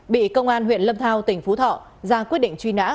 bị công an huyện lâm thao tỉnh phú thọ ra quyết định truy nã